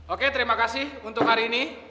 oke terima kasih untuk hari ini